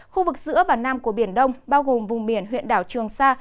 khu vực giữa và nam của biển đông bao gồm vùng biển huyện đảo trường sa